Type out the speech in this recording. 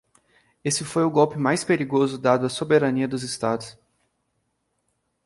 Este foi o golpe mais perigoso dado à soberania dos estados.